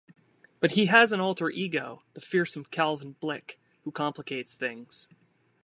But he has an alter ego, the fearsome Calvin Blick who complicates things.